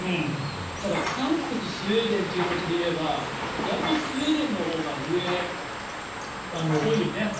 ただ韓国スウェーデンということで言えばやっぱりスウェーデンのほうが上っぽいよね。